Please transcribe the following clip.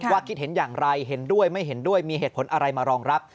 คิดเห็นอย่างไรเห็นด้วยไม่เห็นด้วยมีเหตุผลอะไรมารองรับ